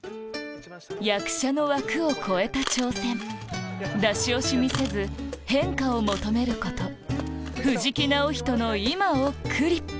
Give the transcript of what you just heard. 役者の枠を超えた挑戦出し惜しみせず変化を求めること藤木直人の今をクリップ